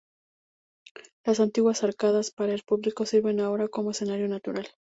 Las antiguas arcadas para el público sirven ahora como escenario natural.